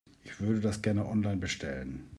Ich würde das gerne online bestellen.